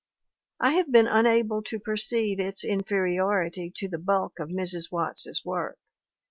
I have been unable to perceive its in feriority to the bulk of Mrs. Watts's work.